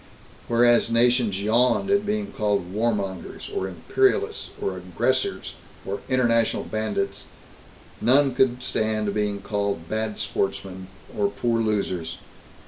Whereas nations yawned at being called "warmongers" or "imperialists" or "aggressors" or "international bandits," none could stand being called "bad sportsmen" or "poor losers."